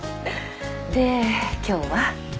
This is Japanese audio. で今日は？